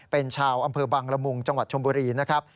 เป็นชาวอำเภอบังละมุงจังหวัดชมบุรีนะครับ